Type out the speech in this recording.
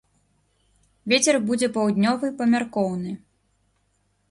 Вецер будзе паўднёвы памяркоўны.